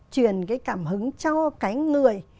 chuyển cái cảm hứng cho cái người